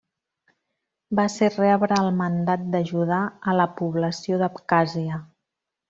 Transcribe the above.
Va ser rebre el mandat d'ajudar a la població d'Abkhàzia.